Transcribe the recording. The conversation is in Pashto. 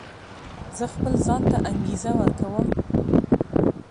زه خپل ځان ته انګېزه ورکوم.